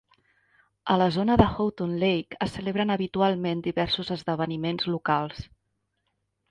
A la zona de Houghton Lake es celebren habitualment diversos esdeveniments locals.